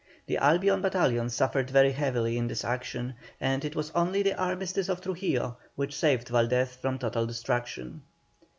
The Albion battalion suffered very heavily in this action, and it was only the armistice of Trujillo which saved Valdez from total destruction.